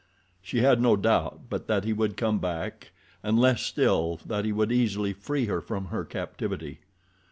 She had no doubt but that he would come back and less still that he would easily free her from her captivity.